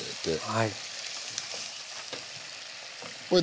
はい。